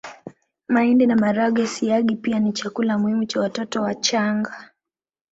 Mahindi na maharage Siagi pia ni chakula muhimu cha watoto wachanga